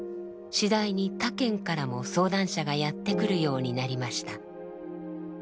次第に他県からも相談者がやって来るようになりました。